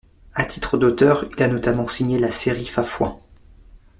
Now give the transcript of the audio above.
À titre d'auteur, il a notamment signé la série Fafouin.